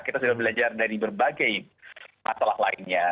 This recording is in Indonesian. kita sudah belajar dari berbagai masalah lainnya